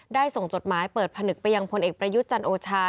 ส่งจดหมายเปิดผนึกไปยังพลเอกประยุทธ์จันโอชา